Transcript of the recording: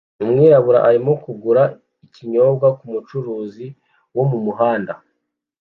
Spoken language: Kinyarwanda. Umwirabura arimo kugura ikinyobwa ku mucuruzi wo mumuhanda